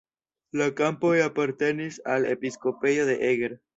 La kampoj apartenis al episkopejo de Eger.